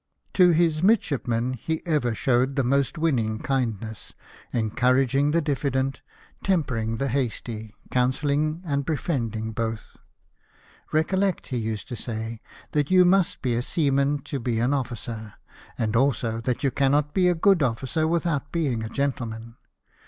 To his midshipmen he ever showed the most winning kindness, encouraging the diffident, temper ing the hasty, counselling and befriending both. " Recollect,", he used to say, " that you must be a seaman to be an officer ; and also, that you cannot be a good officer without being a gentleman."